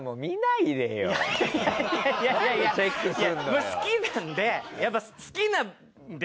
いや好きなんで。